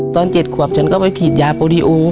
ตอนเจ็ดขวับฉันก็ไปขีดยาโปรดีโอ